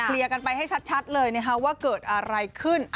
เคลียร์กันไปให้ชัดเลยนะครับว่าเกิดอะไรขึ้น